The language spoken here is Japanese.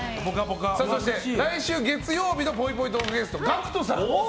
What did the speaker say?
そして、来週月曜日のぽいぽいトークゲストはＧＡＣＫＴさんです。